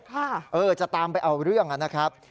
เออจะตามไปเอาเรื่องนะครับ